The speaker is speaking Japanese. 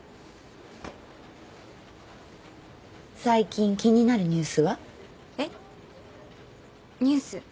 最近気になるニュースは？えっ？ニュース？